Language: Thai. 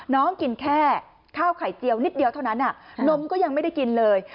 น้องกินแค่ข้าวไข่เจียวนิดเดียวเท่านั้นนมก็ยังไม่ได้กินเลย